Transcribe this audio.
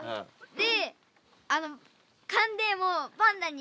で？